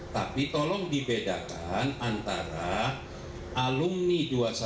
tapi tolong dibedakan antara alumni dua ratus dua belas